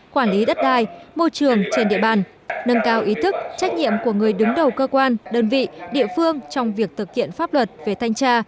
quản lý đất đai môi trường trên địa bàn nâng cao ý thức trách nhiệm của người đứng đầu cơ quan đơn vị địa phương trong việc thực hiện pháp luật về thanh tra